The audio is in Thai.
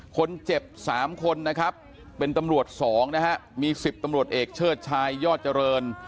คนเจ็บ๓คนนะครับเป็นตำรวจ๒นะฮะมี๑๐ตำรวจเอกเชิดชายยอดเจริญ